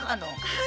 はい！